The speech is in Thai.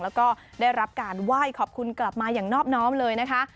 แล้วก็ได้รับการไหว้ขอบคุณกลับมาอย่างนอบน้อมเลยนะคะ